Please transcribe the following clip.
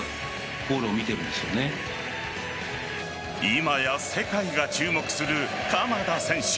今や世界が注目する鎌田選手。